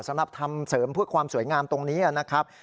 สำหรับทำเสริมเพื่อความสวยงามตรงนี้นะครับ